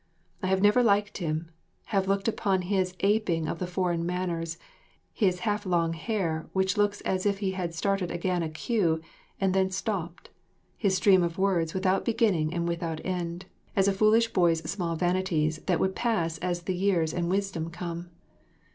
I have never liked him, have looked upon his aping of the foreign manners, his half long hair which looks as if he had started again a queue and then stopped, his stream of words without beginning and without end, as a foolish boy's small vanities that would pass as the years and wisdom came.